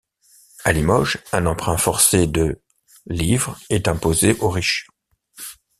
À Limoges, un emprunt forcé de livres est imposé aux riches.